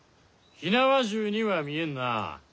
火縄銃には見えんな。